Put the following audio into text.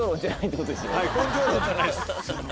根性論じゃないです。